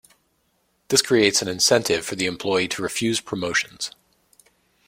This creates an incentive for the employee to refuse promotions.